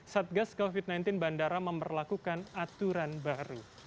satgas covid sembilan belas bandara memperlakukan aturan baru